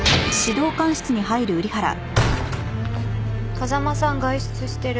風間さん外出してる。